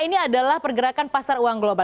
ini adalah pergerakan pasar uang global